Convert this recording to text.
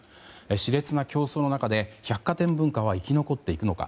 し烈な競争の中で百貨店文化は生き残っていくのか。